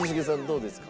どうですか？